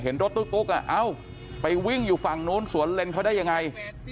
รถตุ๊กเอ้าไปวิ่งอยู่ฝั่งนู้นสวนเลนเขาได้ยังไง